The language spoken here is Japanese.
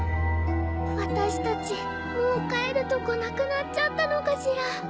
私たちもう帰るとこなくなっちゃったのかしら。